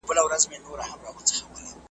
په تیاره کي ټکهار سي پلټن راسي د ښکاریانو .